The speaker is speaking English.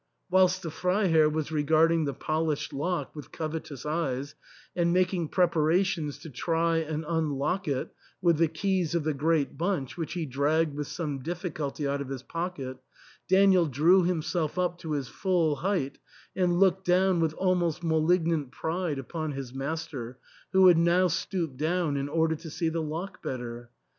Whilst the Freiherr was regarding the polished lock with covetous eyes, and making preparations to try and unlock it with the keys of the great bunch which he dragged with some diflSculty out of his pocket, Daniel drew himself up to his full height, and looked down with almost malig nant pride upon his master, who had now stooped down in order to see the lock better.